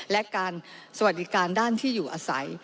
และการสวัสดีการด้านที่อยู่อาศัย